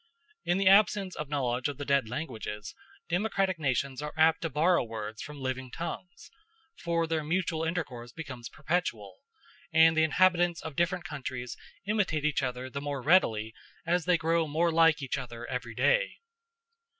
In the absence of knowledge of the dead languages, democratic nations are apt to borrow words from living tongues; for their mutual intercourse becomes perpetual, and the inhabitants of different countries imitate each other the more readily as they grow more like each other every day.